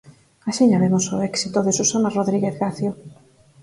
Axiña vemos o éxito de Susana Rodríguez Gacio.